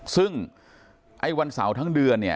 ซึ่งไอ้วันเสาร์ทั้งเดือนเนี่ย